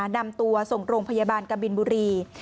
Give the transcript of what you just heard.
นำตัวส่งโรงพยาบาลกบินบุรี